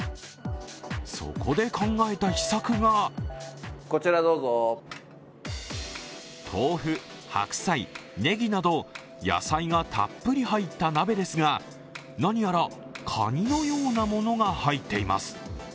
そこで考えた秘策が豆腐、白菜、ねぎなど野菜がたっぷり入った鍋ですが何やらカニのようなものが入っています。